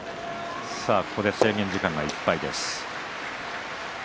これで制限時間いっぱいです。